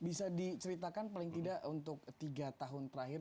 bisa diceritakan paling tidak untuk tiga tahun terakhir